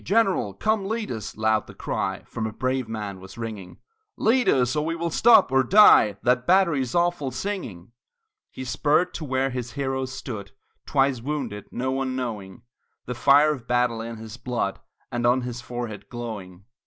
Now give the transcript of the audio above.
"General, come lead us!" loud the cry From a brave band was ringing "Lead us, and we will stop, or die, That battery's awful singing!" He spurred to where his heroes stood Twice wounded, no one knowing The fire of battle in his blood And on his forehead glowing.